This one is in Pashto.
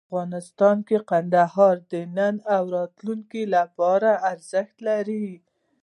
افغانستان کې کندهار د نن او راتلونکي لپاره ارزښت لري.